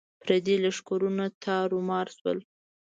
پردي لښکرونه تارو مار شول.